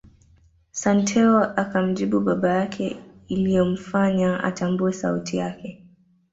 Santeu akamjibu baba yake iliyomfanya atambue sauti yake